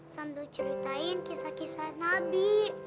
sambil ceritain kisah kisah nabi